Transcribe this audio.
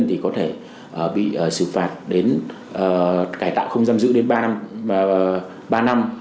thì có thể bị xử phạt đến cải tạo không giam giữ đến ba năm